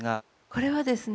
これはですね